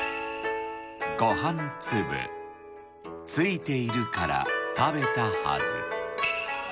ご飯つぶ付いているから食べたはず。